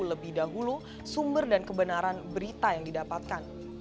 lebih dahulu sumber dan kebenaran berita yang didapatkan